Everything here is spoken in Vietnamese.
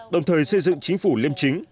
đồng thời xây dựng chính phủ liêm chính